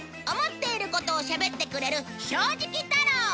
思っていることをしゃべってくれる正直太郎